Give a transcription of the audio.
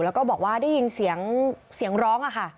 แล้วก็บอกว่าได้ยินเสียงเสียงร้องค่ะ